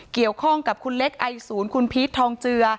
เกี่ยวข้องกับคุณเล็กไอศูนย์คุณพีชทองเจือ